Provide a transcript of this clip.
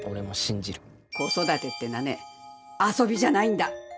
子育てってのはね遊びじゃないんだ。